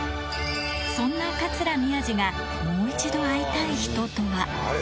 そんな桂宮治がもう一度会いたい人とは。